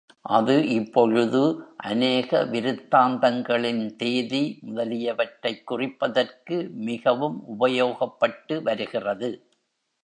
அது இப்பொழுது, அநேக விருத்தாந்தங்களின் தேதி முதலியவற்றைக் குறிப்பதற்கு மிகவும் உபயோகப்பட்டு வருகிறது.